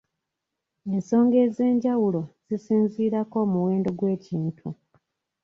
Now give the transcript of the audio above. Ensonga ez'enjawulo zisinziirako omuwendo gw'ekintu.